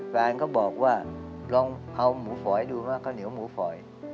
แฟนก็บอกว่าลองเอาหมูฝอยดูว่าข้าวเหนียวหมูฝอย